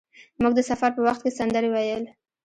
موږ د سفر په وخت کې سندرې ویل.